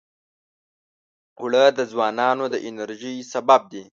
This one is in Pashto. اوړه د ځوانانو د انرژۍ سبب دي